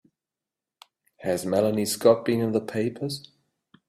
Has Melanie Scott been in the papers?